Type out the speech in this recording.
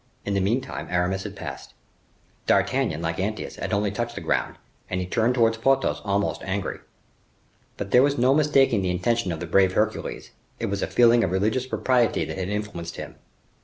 In the meantime Aramis had passed. D'Artagnan, like Antaeus, had only touched the ground, and he turned towards Porthos, almost angry. But there was no mistaking the intention of the brave Hercules; it was a feeling of religious propriety that had influenced him.